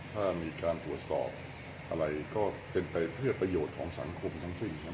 ถ้ามีการตรวจสอบอะไรก็เป็นไปเพื่อประโยชน์ของสังคมทั้งสิ้นครับ